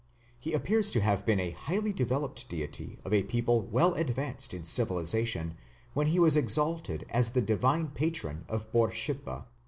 He appears to have been a highly developed deity of a people well advanced in civilization when he was exalted as the divine patron of Borsippa.